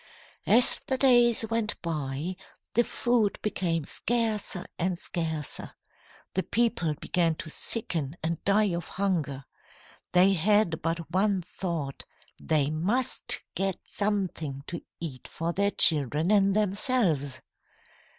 "As the days went by, the food became scarcer and scarcer. The people began to sicken and die of hunger. They had but one thought: they must get something to eat for their children and themselves.